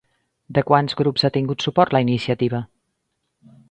De quants grups ha tingut suport la iniciativa?